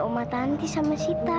oma tanti sama sita